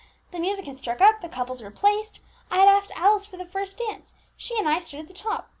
The music had struck up; the couples were placed; I had asked Alice for the first dance; she and I stood at the top.